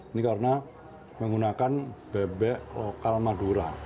ini karena menggunakan bebek lokal madura